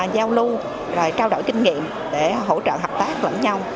giao lưu rồi trao đổi kinh nghiệm để hỗ trợ hợp tác lẫn nhau